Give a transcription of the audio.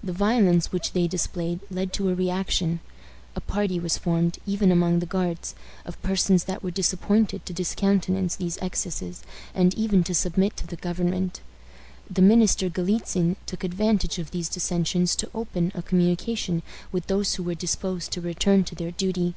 The violence which they displayed led to a reaction. A party was formed, even among the Guards, of persons that were disposed to discountenance these excesses, and even to submit to the government. The minister Galitzin took advantage of these dissensions to open a communication with those who were disposed to return to their duty.